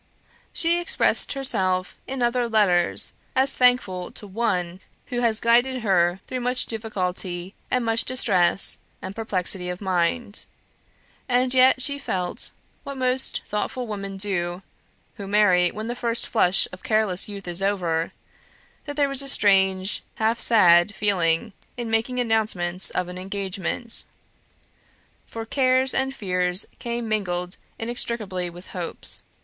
She expressed herself in other letters, as thankful to One who had guided her through much difficulty and much distress and perplexity of mind; and yet she felt what most thoughtful women do, who marry when the first flush of careless youth is over, that there was a strange half sad feeling, in making announcements of an engagement for cares and fears came mingled inextricably with hopes.